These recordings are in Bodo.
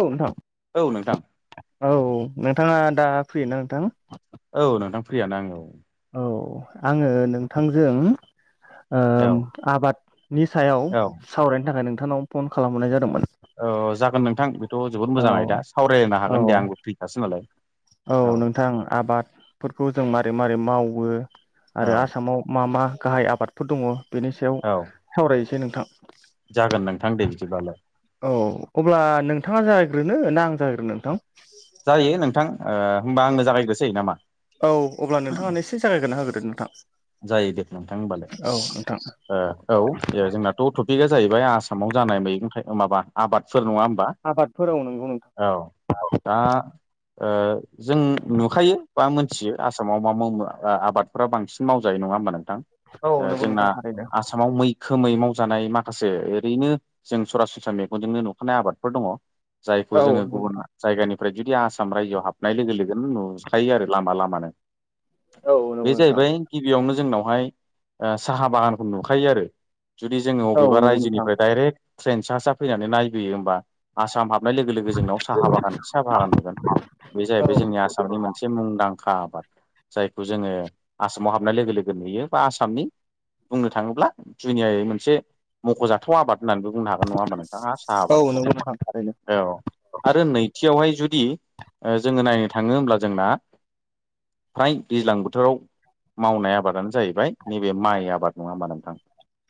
औ नोंथां औ नोंथां औ नोंथाङा दा फ्रिना नोंथां? औ नोंथां फ्रियानो आं औ। औ आङो नोंथांजों औ आबादनि सायाव औ सावरायनो थाखाय नोंथांनाव फन खालामबरनाय जादोंमोन। जागोन नोंथां बेथ' जोबोद औ मोजाङै आयदा सावरायलायनो औ हागोन दे आंबो फ्रिखासो नालाय औ नोंथां आबादफोरखौ जों मारै मारै मावो। औ आरो आसामाव मा मा गाहाय आबादफोर दङ बेनि सायाव औ सावरायसै नोंथां। जागोन नोंथां दे बिदिबालाय औ अब्ला नोंथाङा जागायग्रोनो ना आं जागायग्रोनो नोंथां जायो नोंथां होमबा आंनो जागायग्रोसै नामा? औ अब्ला नोंथाङानो एसे जागायग्रोना होग्रोदो जायो दे होमबालाय नोंथां औ नोंथां। औ जोंनाथ' टपिकआ जाहैबाय आसामाव जानाय मैगं थाइगं माबा आबादफोर नङा होमबा आफादफोराव नोंगौ नोंथां औ। दा ओ जों नुखायो बा मोनथियो आसामाव मा मावो आबादफोरा बांसिन मावजायो नङा होमबा नों थां औ नंगौ जोंना नोंथां थारैनो आसामाव मैखोमै मावजानाय माखासे ओरैनो जों सरासनस्रा मेगनजोंनो नुखानाय आबादफोर दङ जायखौ औ जोङो नंगौ नोंथां। गुबुन जायगानिफ्राय जुदि आसाम रायजोआव हाबनाय लोगो लोगोनो नु थायो आरो लामा लामानो औ नंगौ बे नोंथां। जाहैबाय गिबियावनो जोंनावहाय साहा बागानखौ नुखायो आरो। जुदि जोङो औ बबेबा नंगौ नोंथां रायजोनिफ्राय डाइरेक्ट ट्रेन सा सा फैनानै नायबोयो होमबा आसाम हाबनाय लोगो लोगो जोंनाव साहा बागान साहा बागान नुगोन। बे औ जाहैबाय जोंनि आसामनि मोनसे मुंदांखा आबाद जायखौ जोङो आसामाव हाबनाय लोगो लोगो नुयो बा आसामनि बुंनो थाङोब्ला जुनियायै मोनसे मख'जाथाव आबाद होननानैबो बुंनो हा गोन नङा होमबा नोंथाङा साहा औ नंगौ आबादखौ नोंथां थारैनो औ आरो नै थियावहाय जुदि जोङो नायनो थाङो होमब्ला जोंना फ्राय दैज्लां बोथोराव मावनाय आबादानो जाहैबाय नैबे माइ आबाद नङा होमबा नोंथां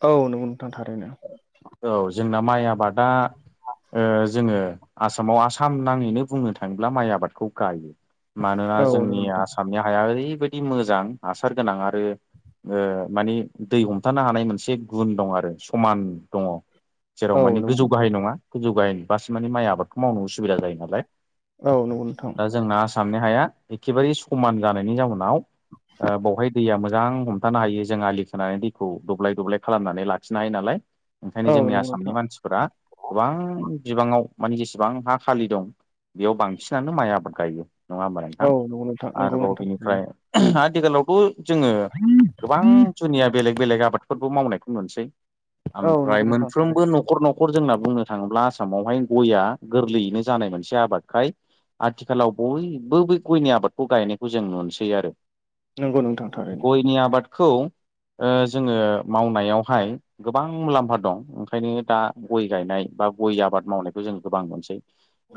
औ नोंगौ नोंथांथारैनो। औ जोंना माइ आबादा ओ जोङो आसामाव आसा साम नाङैनो बुंनो थाङोब्ला माइ आबादखौ गायो मानोना औ नंगौ जोंनि नोंथां आसामनि हाया ओरैबाय दि मोजां हासार गोनां आरो ओ माने दै हमथानो हानाय मोनसे गुन दं आरो समान दङ जेराव औ माने नंगौ गोजौ नोंथां गाहाय नङा गोजौ गाहायबासो माने माइ आबादखौ मावनो उसुबिदा जायो नालाय औ नंगौ नोथां। दा जोंना आसामनि हाया एखेबारे समान जानायनि जाउनाव बावहाय दैया मोजां हमथानो हायो जों आलि खोनानै दैखौ दब्लाय दब्लाय खालामनानै लाखिनो हायो नालाय ओंखायनो औ जोंनि नंगौ आसामनि नोंथां मानसिफोरा गोबां बिबाङाव मानि जेसेबां हा खालि दं बेयाव बांसिनानो माइ आबाद गायो। नङा होमबा नोंथां औ नंगौ नोंथां नंगौ आरोबाव नोंथां थारैनो बिनिफ्राय आथिखालावथ' जोङो गोबां जुनिया बेलेग बेलेग आबादफोरबो मावनायखौ नुनोसै औ ओमफ्राय नंगौ नोंथां मोनफ्रोमबो थारैनो न'खर न'खर जोंना बुंनो थाङोब्ला आसामावहाय गया गोरलै नो जानाय मोनसे आबादखाय आथिखालाव बयबो बे गयनि आबादखौ गायनायखौ जों नुनोसै आरो नंगौ नोंथां थारैनो गयनि आबादखौ जोङो मावनायावहाय गोबां मुलाम्फा दं ओंखायनो दा गय गायनाय बा गय आबाद मावनायखौ जों गोबां मोनसै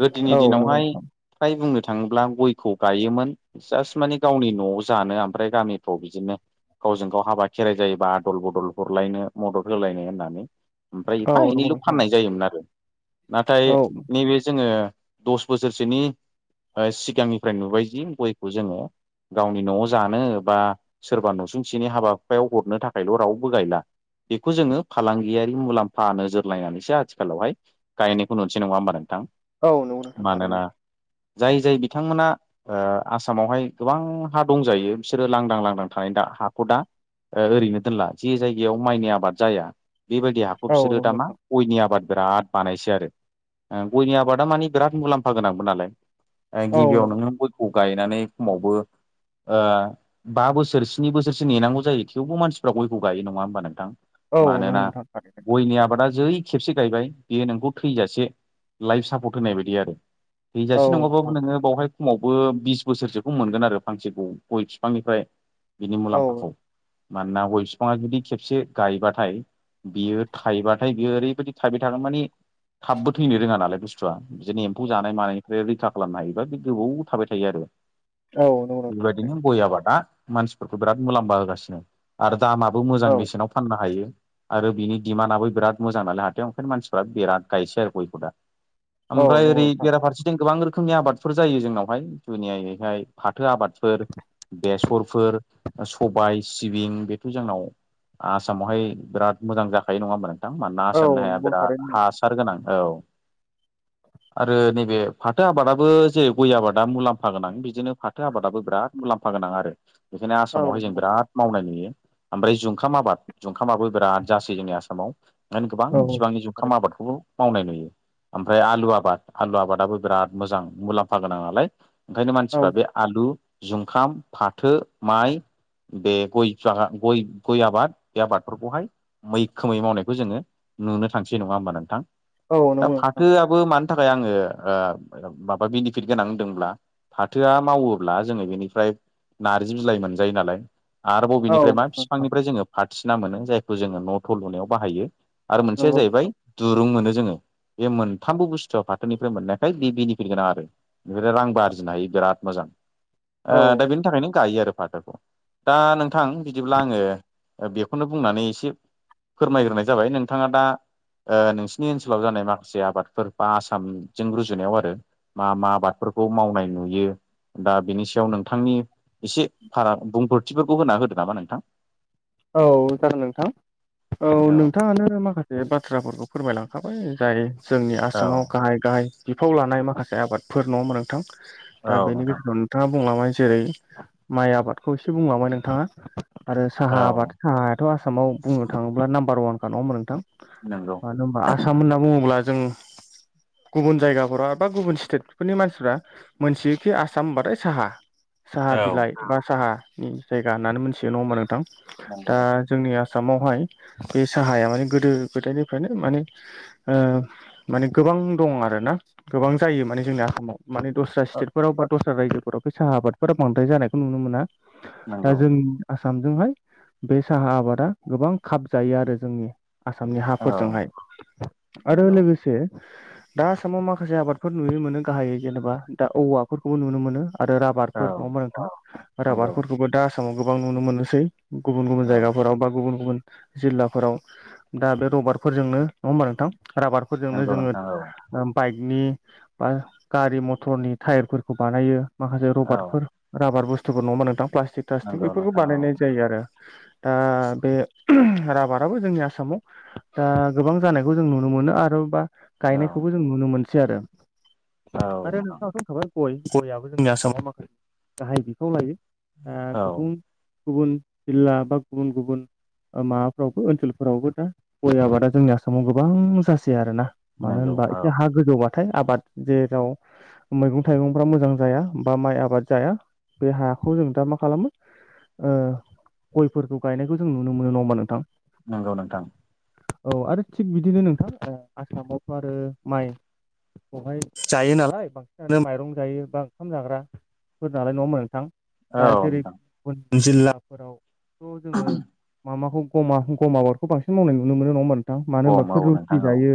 गोदोनि औ नंगौ दिनावहाय नोंथां फ्राय बुंनो थाङोब्ला गयखौ गायोमोन जास्ट माने गावनि न'आव जानो ओमफ्राय गामिफ्राव बिदिनो गावजों गाव हाबा खेराइ जायोबा आदल बदल हरलायनो मदद होलायनो होननानै ओमफ्राय औ एफा एनैल' नंगौ नोंथां फाननाय जायोमोन आरो नाथाय औ नैबे जोङो दस बोसोरसोनि सिगांनिफ्राय नुबायदि गयखौ जोङो गावनि न'आव जानो बा सोरबा नसुंसेनि हाबा हुफायाव हरनो थाखायल' रावबो गायला बेखौ जोङो फालांगियारि मुलाम्फा नोजोर लायनानैसो आथिखालावहाय गायनायखौ नुनोसै नङा होमबा नों थां औ नंगौ नोंथां थारैनो मानोना जाय जाय बिथांमोना ओ आसामावहाय गोबां हा दंजायो बिसोरो लांदां लांदां थानाय दा हाखौ दा ओरैनो दोनला जे जायगायाव माइनि आबाद जाया बेबायदि हा खौ औ बिसोरो नंगौ दामा नोंथां गयनि आबाद बिराद बानायसै आरो गयनि आबादा मानिे बिराद मुलाम्फा गोनांबो नालाय औ गिबियाव नोङो खौ गायनानै सममावबो बा बोसोर स्नि बोसोरसो नेनांगौ जायो थेवबो मानसिफ्रा गयखौ गायो नङा होमबा नोंथां औ नंगौ मानोना नोंथां थारैनो गयनि आबादा जै खेबसे गायबाय बेयो नोंखौ थैजासे लाइफ सापर्ट होनाय बायदि आरो औ थैजासे नङाबो नोंथां नोङो बावहाय खमावबो बिस बोसोरसोखौ मोनगोन आरो फांसे गय बिफांनिफ्राय बिनि औ मुलाम्फाखौ। मानोना गय बिफाङा जुदि खेबसे गायबाथाय बियो थाइबाथाय बियो ओरैबायदि थायबाय थागोन माने थाबबो फैनो रोङा नालाय बुस्थुआ बिदिनो एम्फौ जानाय मानायनिफ्राय रैखा खालामनो हायोबा बे गोबाव थाबाय थायो आरो औ नंगौ नोंथां बेबायदिनो थारैनो गय आबादा मानसिफोरखौ बिराद मुलाम्फा होगासिनो। आरो दामाबो मोजां औ बेसेनाव फाननो हायो आरो बिनि डिमान्डआबो बिराद मोजां नालाय हाथायाव ओंखायनो मानसिफ्रा बिराद गायसै आरो बय औ ओमफ्राय नंगौ ओरै नोंथां बेराफारसेथिं गोबां रोखोमनि आबाद फोरफोर जायो जोंनावहाय जुनियायैहाय फाथो आबादफोर बेसरफोर सबाय सिबिं बेथ' जोंनाव आसामावहाय बिराद मोजां जाखायो नङा होमबा नोंथां मानोना औ आसामनि हाया नंगौ बिराद थारैनो हासार गोनां औ आरो नैबे फाथो आबादाबो जेरै गय आबादा मुलाम्फा गोनां बिदिनो फाथो आबादाबो बिराद मुलाम्फा गोनां आरो बेखायनो औ आसामावहाय जों नंगौ बिराद मावनाय नुयो ओमफ्राय जुंखाम आबाद जुंखामाबो बिराद जासै जोंनि आसामाव। ओंखायनो गोबां औ बिबांनि जुखाम थारैनो आबादखौबो मावनाय नुयो। ओमफ्राय आलु आबाद आलु आबादाबो बिराद मोजां मुलाम्फा गोनां नालाय ओंखायनो औ मानसिफ्रा बे आलु, जुंखाम, फाथो, माइ बे गय बिफां गय गय आबाद बे आबादफोरखौहाय मैखोमै मावनायखौ जोङो नुनो थांसै नङा होमबा नोंथां। औ नंगौ नोंथां फाथोआबो मानि थाखाय आङो माबा बेनिफिट गोनां होनदोंब्ला। फाथोआ मावोब्ला जोङो बेनिफ्राय नारजि बिलाइ मोनजायो नालाय। आरो औ बबेनिफ्राय मा नोंथां बिफांनिफ्राय जोङो फथिना मोनो जायखौ जोङो न' थ लुनायाव बाहायो। आरो मोनसेया नंगौ नोंथां जाहैबाय दुरुं मोनो जोङो। बे मोनथामबो बुस्थुआ फाथोनिफ्राय मोननायखाय बे बेनिफिट गोनां आरो। बेनो रां आरजिनो हायो बिराद मोजां औ ओ दा बेनि थाखायनो गायो आरो फाथोखौ। दा नोंथां बिदिब्ला आङो बेखौनो बुंनानै एसे फोरमायग्रोनाय जाबाय नोंथाङा दा नोंसिनि ओनसोलाव जानाय माखा माखासे आबादफोर बा आसामजों रुजुनायाव आरो मा मा आबादफोरखौ मावनाय नुयो। दा बेनि सायाव नोंथांनि एसे फाराग बुंफोरथिफोरखौ होना होदो नामा नोंथां। औ जागोन नोंथां औ नोंथाङानो माखासे बे बाथ्राफोरखौ फोरमायलांखाबाय जाय जोंनि औ आसामाव गाहाय गाहाय बिफाव लानाय माखासे आबादफोर नङा नोंथां दा औ बेनि नोंथां गेजेराव नोंथाङा बुंलबाय जेरै माइ आबादखौ एसे बुंलाबाय नोंथाङा आरो साहा औ साहायाथ' आसामाव बुंनो थाङोब्ला नाम्बार वानखा नङा होमब्ला नोंथां। नंगौ मानो होनबा आसाम होनना बुङोब्ला जों गुबुन जायगाफोराव बबा गुबुन स्टेटफोरनि मानसिफ्रा मोनथियोखि आसाम होनबाथाय साहा। साहा औ बिलाइ बा साहानि जायगा होननानै मोनथियो नङा होमबा नोंथां नंगौ ओ नोंथां जोंनि आसामावहाय बे साहाया माने गोदो गोदायनिफ्रायनो माने ओ माने गोबां दं आरोना गोबां जायो माने जोंनि हाव। माने दस्रा स्टेटफोराव बा दस्रा रायजोफोराव फाय साहा आबादफोरा बांद्राय जानायखौ नुनो मोना। दा नंगौ जों आसामजोंहाय बे साहा आबादा गोबां खाब जायो आरो जोंनि आसामनि औ हाफोरजोंहाय आरो नंगौ लोगोसे दा आसामाव माखासे आबादफोर नुनो मोनो गाहायै जेनेबा दा औवाफोरखौबो नुनो मोनो आरो रबारफोर औ नङा होमबा नोंथां नंगौ राबारफोरखौबो दा आसामाव गोबां नुनो मोनोसै। गुबुन गुबुन औ जायगाफोराव बा गुबुन गुबुन जिल्लाफोराव दा बे रबारफोरजोंनो नङा होमबा नोंथां राबारफोरजोंनो नंगौ जोङो नोंथां औ ओ बाइकनि बा गारि मटरनि टायारफोरखौ बानायो माखासे औ रबारटफोर राबार बुस्थुफोर नङा नोंदां प्लास्टिक थ्लास्टिक नंगौ बेफोरखौ नोंथां औ बानायनाय जायो आरो ओ बे राबाराबो जोंनि आस आसामाव दा गोबां जानायखौ जों नुनो मोनो आरो बा औ गायनायखौबो जों नुनो नुनो मोनसै आरो औ आरो नोंथां नोंथाङाथ' होनखाबाय गय गययाबो जोंनि आसामाव माखासे गाहाय बिखाव लायो औ गुबुन -गुबुन जिला बा गुबुन गुबुन माबाफ्रावबो ओनसोलफोरावबो दा गय आबादा जोंनि आसामाव गोबां जासै आरोना। मानो नंगौ होनबा औ एसे हा गोजौबाथाय आबाद जेराव मैगं थाइगंफ्रा मोजां जाया बा माइ आबाद जाया बे हाखौ जों दा मा खालामो ओ गयफोरखौ गायनायखौ जों नुनो मोनो नङाोमा नोंथां। नंगौ नोंथां औ आरो थिग बिदिनो नोंथां आसामावथ' आरो माइ बेहाय जायो नालाय बांसिनानो माइरं जायो बा ओंखाम जाग्राफोर नालाय नङोन। दा औ जेरै नोंथां गुब गुबुनुन जिल्लाफोरावथ' जोङो [unintelligible] माबाखौमा गम आबादखौ बांसिन मावनाय नुनो मोनो नङा होमब नोंथां। मानो होनोमबा खम औ बिसोर नोंथां रुटि औ जायो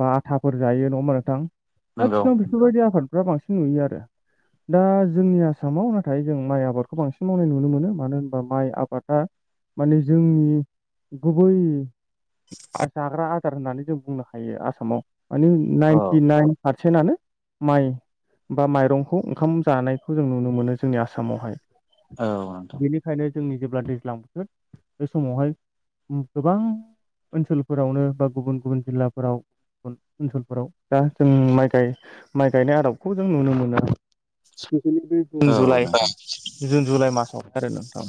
बा आथाफोर जायो नंया होनवला नोंथां दा नंगौ बिसिरनाव नोंथां बेफोरबायदि आफादफ्रा बांसिन नुयो आरो दा जोंनि आसामाव नाथाय जों माइ आबादखौ बांसिन मावनाय नुनो मोनो। मानो होनबा माइ आबादा माने जोंनि गुबै जाग्रा आदार होननानै जों बुंनो हायो। आसामाव माने औ नाइनटि नाइन फारसेनानो माइ बा माइरंखौ ओंखाम जानायखौ जों नुनो मोनो जोंनि आसामावहाय। औ नोंथां। बेखायनो जोंनि जेब्ला दैज्लां बोथोर बे समावहाय गोबां ओनसोलफोरावनो बा गुबुन -गुबुन जिल्लाफोराव ओ ओनसोलफोराव दा जों माइ गाय माइ गायनाय आदबखौ जों नुनो मोनो। [inaudible] जुन, औ जुलाइ नोंथां जुन जुलाइ मासावनो आरो नोंथां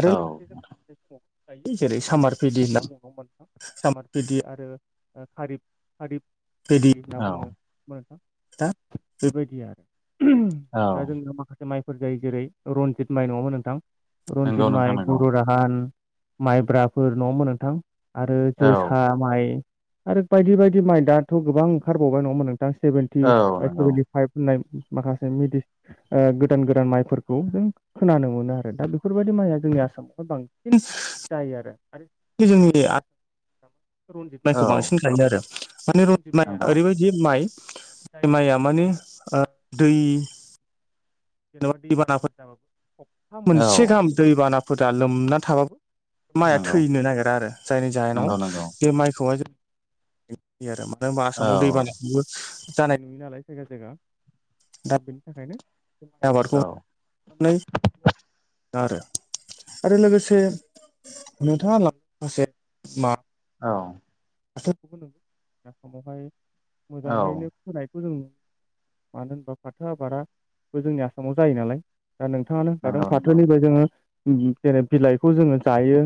आरो औ लोगोसे जों [unintelligible] यो जेरै सामार फेदि होनना बुंनाव मोनां [unintelligible] सामार बिदि आरो हारि खारिफ [unintelligible] बदि होनना औ बुङोथां दा बेबायदि आरो [unintelligible] औ दा जोंनियाव माखासे माइफोर जायो जेरै रनजित माइ नङामोन नोंथां रन्जित नंगौ नोंथां माइ, नंगौ बर' राहान माइब्राफोर नङमोन नोंथां आरो औ जोसा माइ आरो बायदि -बायदि माइ दाथ' गोबां ओंखारबावबाय नङा होमबा नोंथां सेभेनटि औ बा नंगौ पाइप होननाय माखासे मदि गोदान गोदान माइफोरखौ जों खोनानो मोनो। आरो दा बे बेफोरबायदि माइया जोंनि आसामावहाय बांसिन जायो आरो आरो जोंनि रनजित औ माइखौ बांसिन गाय आरो माने रनजित माइआ नंगौ ओरैबायदि जि माइ माइआ माने दै जेनेबा दैबानाफोर जाबाबो सबथा औ मोनसे गाहाम दैबानाफोराा लोमनानै थाबाबो माइया नंगौ थैनो नागिरा आरो जायनि जाहोनाव नंगौ नंगौ बे माइखौहाय जों आरोमा नों‌ मा औ समाव दै बानाय [unintelligible] जानाय नुयो नालाय जायगा जायगा दा बेनि थाखायनो जनि औ आबादखौहाय [unintelligible] आरो आरो लोगोसे [unintelligible] [unintelligible] औ हासारखौबो नों आसामावहाय औ मोजाङैनो [inaudible] होनायखौ जों नुो मानो होनबा फाथो आबादाबो जोंनि आसामाव जायो नालाय दा नोंथाङानो गारां नंगौ नंगौ फाथोनिफ्राय जोङो जेरै बिलाइखौ जोङो जायो।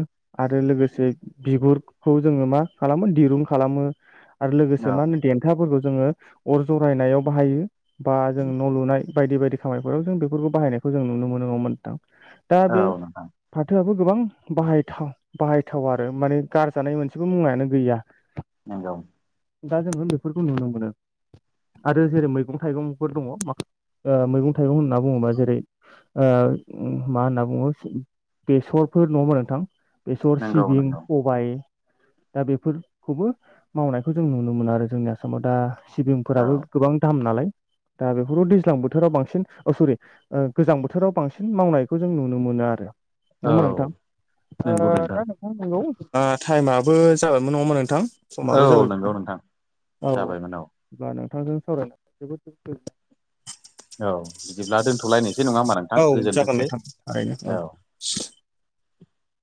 आरो लोगोसे बिगुरखौ जोङो मा खालामो दिरुं खालामो। आरो लोगोसे औ मा होनो देन्थाफोरखौ जोङो अर जरायनायाव बाहायो बा जों न' लुनाय बायद- बायदि खामानिफोराव जों बेफोरखौ बाहायनायखौ जों नुनो मोनमोनां दा औ बे नोंथां फाथोआबो गोबां बाहायथाव बाहायथाव आरो माने गारजानाय मोनसेबो मुवायानो गैया। नंगौ। दा जोङो बेफोरखौ नुनो मोनो आरो जेरै मैगं थाइगंफोर दङ माखा ओ‌ मैगं थाइगं होनना बुङोबा जेरै ओ उम मा होनना बुङो बेसरफोर नङा होमबा नोंथां? बेसर, नंगौ सिबिं, नंगौ प बाय दा बेफोरखौबो मावनायखौ जों नुनो मोनो। आरो जोंनि आसामाव दा औ सिबिंफोराबो गोबां दाम नालाय दा बेफोरो दैज्लां बोथोराव बांसिन सरि गोजां बोथोराव बांसिन मावनायखौ जों नुनो मोनो आरो। नङा औ होमबा नोंथां ओ नंगौ दा नोंथां नों न नंगौ टाइमआबो जागोनमोन नङामा नोंथां। औ समाबो जाबाय नंगौ नोंथां औ जाबायमोन औ होनब्ला नोंथांजों सावरायनानै जोबोद जोबोद गोज औ बिदिब्ला दोनथ'लायनोसै नङा होमबा गोजोननाय नोंथां औ जागोन गोजोनथोंसै नोंथां थारैनो औ